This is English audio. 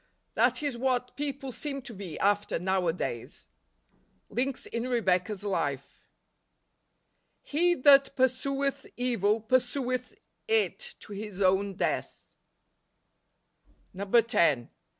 That is what people seem to be after nowadays. Links in Rebecca's Life. " He that pursueth evil pursueth it to his own death." NOVEMBER. 127 10.